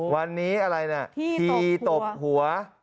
วันนี้อะไรนะทีตบหัว